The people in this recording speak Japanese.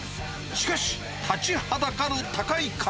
しかし、立ちはだかる高い壁。